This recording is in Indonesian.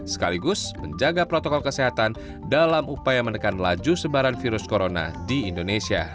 sekaligus menjaga protokol kesehatan dalam upaya menekan laju sebaran virus corona di indonesia